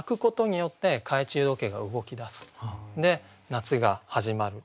で夏が始まる。